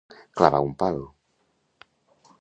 Clavar un pal.